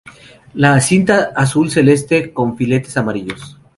La cinta azul celeste con filetes amarillos.